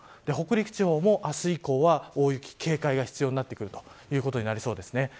北陸地方も明日以降は、大雪に警戒が必要になってくるということになりそうです。